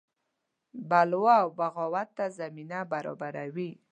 بلوا او بغاوت ته زمینه برابروي.